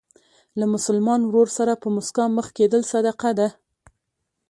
له مسلمان ورور سره په مسکا مخ کېدل صدقه ده.